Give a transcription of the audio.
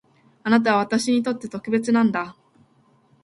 あなたは私にとって特別なんだ